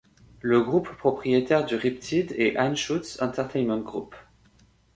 Le groupe propriétaire du Riptide est Anschutz Entertainment Group.